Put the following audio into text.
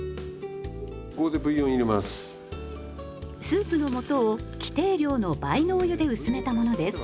スープの素を規定量の倍のお湯で薄めたものです。